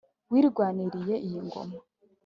wirwaniriye iyi ngoma.